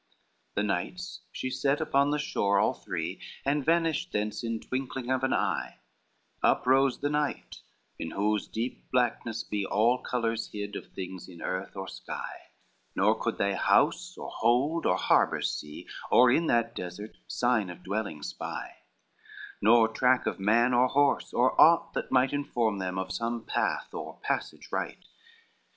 LVI The knights she set upon the shore all three, And vanished thence in twinkling of an eye, Uprose the night in whose deep blackness be All colors hid of things in earth or sky, Nor could they house, or hold, or harbor see, Or in that desert sign of dwelling spy, Nor track of man or horse, or aught that might Inform them of some path or passage right.